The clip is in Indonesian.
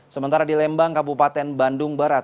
sementara di lembang kabupaten bandung barat